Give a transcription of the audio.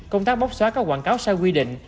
công tác bóc xóa các quảng cáo sai quy định